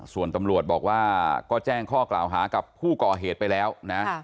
ส่วนตำรวจบอกว่าก็แจ้งข้อกล่าวหากับผู้ก่อเหตุไปแล้วนะ